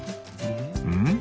うん？